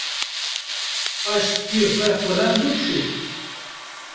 Paş stûyê xwe xurand û çû